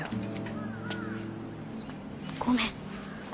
ごめん。